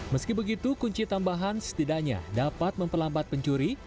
meski begitu kunci tambahan setidaknya dapat memperlambat pencuri